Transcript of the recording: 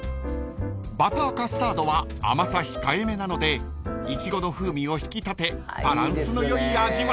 ［バターカスタードは甘さ控えめなのでイチゴの風味を引き立てバランスの良い味わいに］